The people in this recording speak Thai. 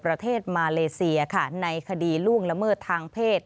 ประเทศมาเลเซียค่ะในคดีล่วงละเมิดทางเพศ